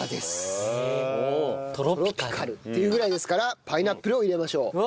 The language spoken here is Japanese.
トロピカルっていうぐらいですからパイナップルを入れましょう。